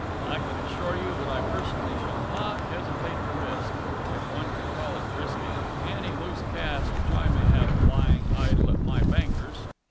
I can assure you that I personally shall not hesitate to risk if one can call it risking any loose cash which I may have lying idle at my banker's."